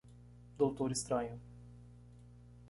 Doutor Estranho.